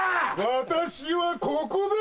私はここだ！